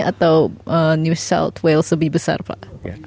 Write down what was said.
atau new shield wales lebih besar pak